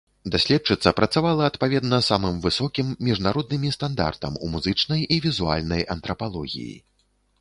Даследчыца працавала адпаведна самым высокім міжнароднымі стандартам у музычнай і візуальнай антрапалогіі.